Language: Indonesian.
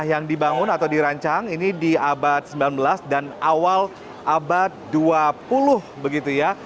yang dibangun atau dirancang ini di abad sembilan belas dan awal abad dua puluh begitu ya